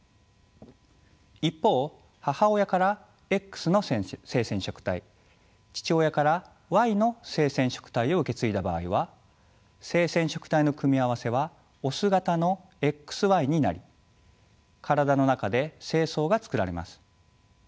一方母親からＸの性染色体父親からＹの性染色体を受け継いだ場合は性染色体の組み合わせはオス型のＸＹになり体の中で精巣が作られます。